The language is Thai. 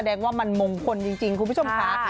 แสดงว่ามันมงคลจริงคุณผู้ชมค่ะ